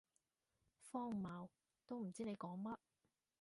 荒謬，都唔知你講乜